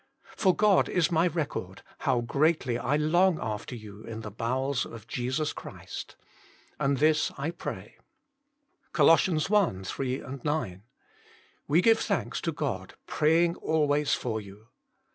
For God is my record, how greatly I long after you all in the bowels of Jesus Christ. And this / pray" CoL i. 3, 9 :" We give thanks to God, praying always for you.